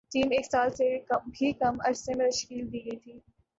team ایک سال سے بھی کم عرصے میں تشکیل دی گئی تھی